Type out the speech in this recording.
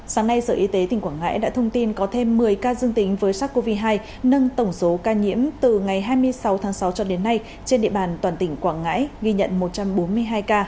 sáng nay sở y tế tỉnh quảng ngãi đã thông tin có thêm một mươi ca dương tính với sars cov hai nâng tổng số ca nhiễm từ ngày hai mươi sáu tháng sáu cho đến nay trên địa bàn toàn tỉnh quảng ngãi ghi nhận một trăm bốn mươi hai ca